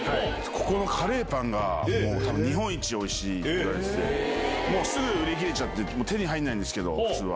ここのカレーパンが日本一おいしいといわれててすぐ売り切れちゃって手に入んないんですけど普通は。